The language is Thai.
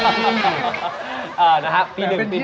เป็นเยี่ยมสิครับ